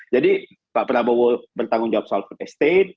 jadi pak prabowo bertanggung jawab soal peta state